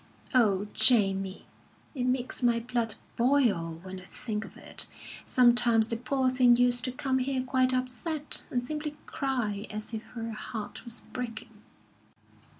"Oh, Jamie, it makes my blood boil when I think of it. Sometimes the poor thing used to come here quite upset, and simply cry as if her heart was breaking."